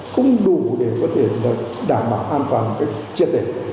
không đủ để có thể đảm bảo an toàn cách chia thể